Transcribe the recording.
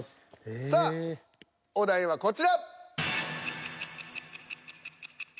さあお題はこちら！